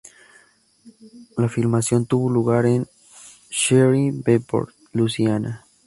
La filmación tuvo lugar en Shreveport, Louisiana.